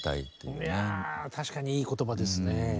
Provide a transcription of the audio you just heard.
いやぁ確かにいい言葉ですね。